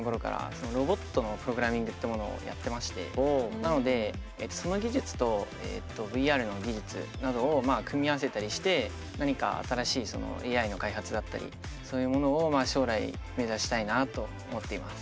なのでその技術とＶＲの技術などを組み合わせたりして何か新しいそのＡＩの開発だったりそういうものを将来目指したいなぁと思っています。